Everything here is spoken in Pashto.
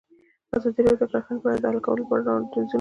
ازادي راډیو د کرهنه په اړه د حل کولو لپاره وړاندیزونه کړي.